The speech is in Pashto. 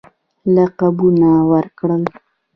لقبونه ورکړل.